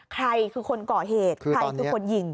ใครคือคนก่อเหตุใครคือคนยิง